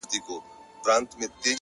نیکي د انسان تر غیابه هم خبرې کوي،